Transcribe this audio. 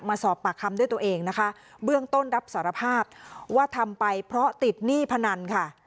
มาสอบปากคำด้วยตัวเองนะคะเบื้องต้นรับสารภาพว่าทำไปเพราะติดหนี้พนันค่ะ